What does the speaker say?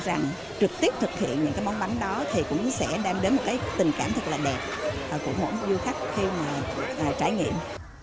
rằng trực tiếp thực hiện những món bánh đó cũng sẽ đem đến tình cảm thật đẹp của mỗi du khách khi trải nghiệm